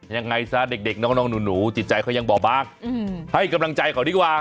ยังไงซะเด็กน้องหนูจิตใจเขายังบอบบางให้กำลังใจเขาดีกว่า